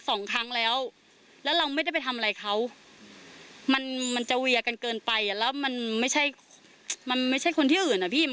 ซึ่งลูกเราไม่ได้ไปเวียวเขาเลยมันไม่เป็นธรรม